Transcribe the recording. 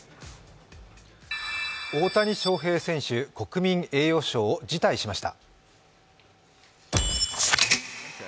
大谷翔平選手、国民栄誉賞を辞退しました。